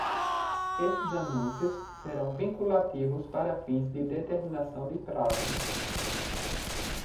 Esses anúncios serão vinculativos para fins de determinação de prazos.